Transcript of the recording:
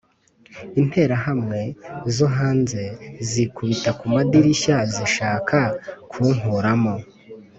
Interahamwe zohanze zikubita ku madirishya zishaka ku nkuramo